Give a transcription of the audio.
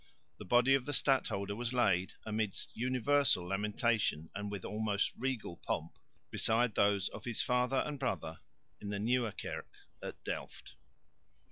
The body of the stadholder was laid, amidst universal lamentation and with almost regal pomp, besides those of his father and brother in the Nieuwe Kerk at Delft.